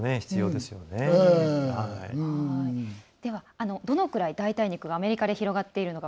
では、どのくらい代替肉がアメリカで広がっているのか